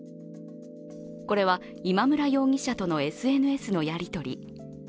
これは、今村容疑者とのＳＮＳのやり取り。